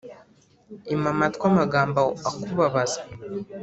Ima amatwi amagambo akubabaza